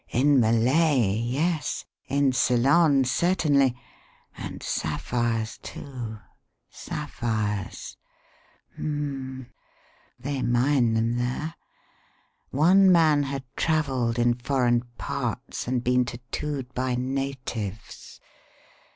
In Malay, yes; in Ceylon, certainly. And sapphires, too sapphires! Hum m m! They mine them there. One man had travelled in foreign parts and been tattooed by natives.